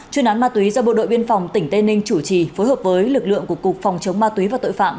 chuyên án ma túy do bộ đội biên phòng tỉnh tây ninh chủ trì phối hợp với lực lượng của cục phòng chống ma túy và tội phạm